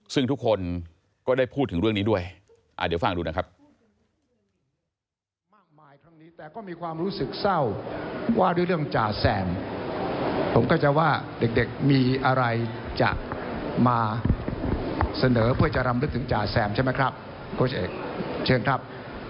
ซึ่งทุกคนก็ได้พูดถึงเรื่องนี้ด้วยเดี๋ยวฟังดูนะครับ